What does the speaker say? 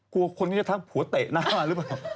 กลัวคนก็จะทักผัวเตะหน้าหรือเปล่า